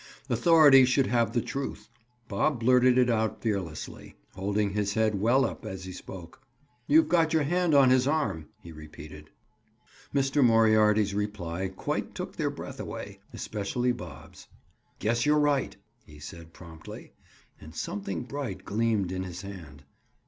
Authority should have the truth. Bob blurted it out fearlessly, holding his head well up as he spoke. "You've got your hand on his arm," he repeated. Mr. Moriarity's reply quite took their breath away, especially Bob's. "Guess you're right," he said promptly, and something bright gleamed in his hand.